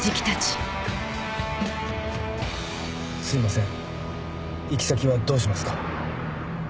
すいません行き先はどうしますか？